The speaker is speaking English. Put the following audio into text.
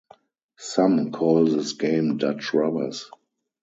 Some call this game Dutch-rubbers.